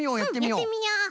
うんやってみよう。